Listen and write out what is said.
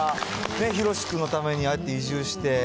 ヒロシ君のために、ああやって移住して。